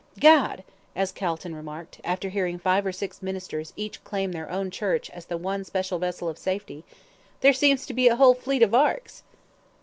"Gad," as Calton remarked, after hearing five or six ministers each claim their own church as the one special vessel of safety, "there seems to be a whole fleet of arks!"